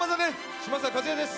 嶋佐和也です。